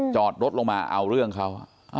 จอดรถลงมาเอาเรื่องเขา